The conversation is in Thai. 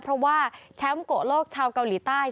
เพราะว่าแชมป์โกะโลกชาวเกาหลีใต้